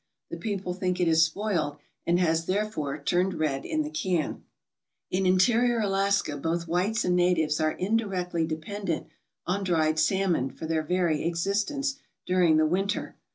The people think it is spoiled, and has, there fore, turned red in the can. In interior Alaska both whites and natives are in directly dependent on dried salmon for their very exist ence during the winter.